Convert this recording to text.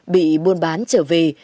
bị buôn bán trở về